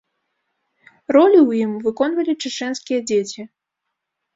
Ролі ў ім выконвалі чэчэнскія дзеці.